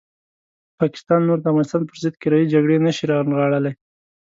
پاکستان نور د افغانستان پرضد کرایي جګړې نه شي رانغاړلی.